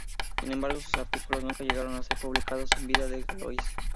Sin embargo, sus artículos nunca llegaron a ser publicados en vida de Galois.